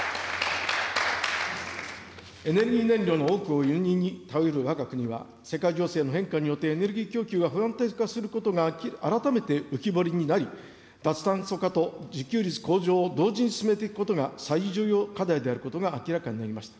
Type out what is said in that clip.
エネルギー燃料の多くを輸入に頼るわが国は、世界情勢の変化によってエネルギー供給が不安定化することが改めて浮き彫りになり、脱炭素化と自給率向上を同時に進めていくことが最重要課題であることが明らかになりました。